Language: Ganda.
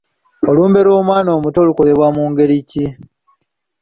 Olumbe lw'omwana omuto lokorebwa mu ngeri ki?